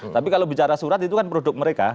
tapi kalau bicara surat itu kan produk mereka